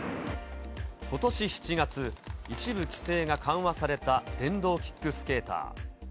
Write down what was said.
ことし７月、一部、規制が緩和された電動キックスケーター。